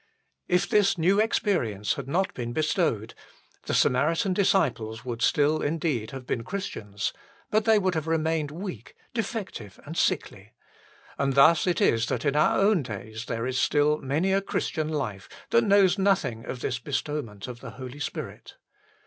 If this new experience had not been bestowed, the Samaritan disciples would still indeed have been Christians, but they would have remained weak, defective, and sickly ; and thus it is that in our own days there is still many a Christian life that knows nothing of this bestownient of the Holy Spirit.